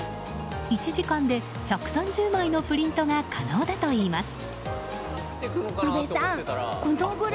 １時間で１３０枚のプリントが可能だといいます。